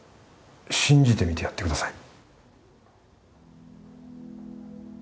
信じてみてやってください